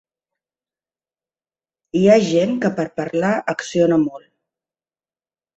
Hi ha gent que, per parlar, acciona molt.